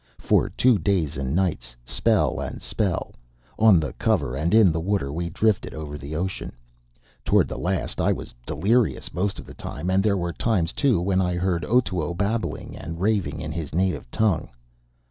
For two days and nights, spell and spell, on the cover and in the water, we drifted over the ocean. Towards the last I was delirious most of the time; and there were times, too, when I heard Otoo babbling and raving in his native tongue.